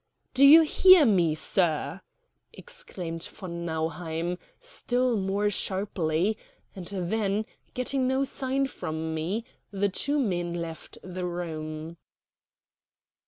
"Do you hear me, sir?" exclaimed von Nauheim, still more sharply; and then, getting no sign from me, the two men left the room.